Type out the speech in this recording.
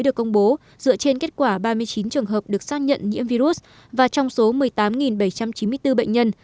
được công bố dựa trên kết quả ba mươi chín trường hợp được xác nhận nhiễm virus và trong số một mươi tám bảy trăm chín mươi bốn bệnh nhân